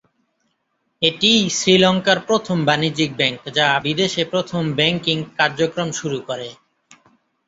এটিই শ্রীলঙ্কার প্রথম বাণিজ্যিক ব্যাংক যা বিদেশে প্রথম ব্যাংকিং কার্যক্রম শুরু করে।